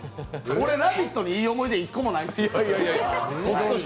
俺、「ラヴィット！」にいい思い出一個もないですよ。